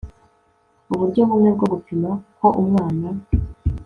uburyo bumwe bwo gupima ko umwana